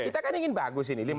kita kan ingin bagus ini